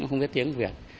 không biết tiếng việt